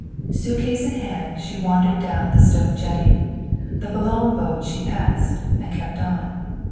Suitcase in hand she wandered down the stone jetty. The Boulogne boat she passed, and kept on.